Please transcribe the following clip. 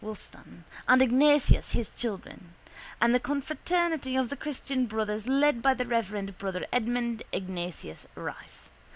Wolstan: and Ignatius his children: and the confraternity of the christian brothers led by the reverend brother Edmund Ignatius Rice.